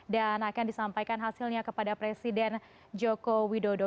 dan akan disampaikan hasilnya kepada presiden joko widodo